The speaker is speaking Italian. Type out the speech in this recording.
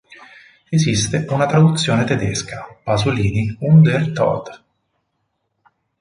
Esiste una traduzione tedesca: "Pasolini und der Tod.